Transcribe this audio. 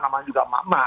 namanya juga mak mak